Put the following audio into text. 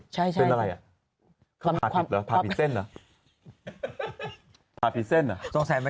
ใช่ไปเต้นอะไร